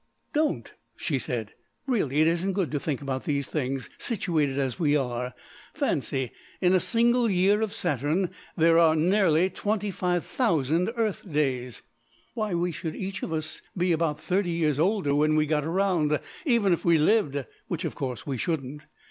"Don't!" she said. "Really it isn't good to think about these things, situated as we are. Fancy, in a single year of Saturn there are nearly 25,000 Earth days. Why, we should each of us be about thirty years older when we got round, even if we lived, which, of course, we shouldn't.